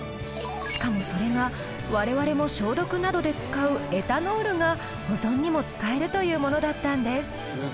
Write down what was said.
しかもそれが我々も消毒などで使うエタノールが保存にも使えるというものだったんです。